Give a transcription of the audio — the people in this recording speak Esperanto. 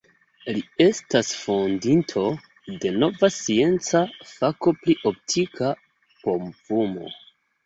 Li estas fondinto de nova scienca fako pri optika povumo.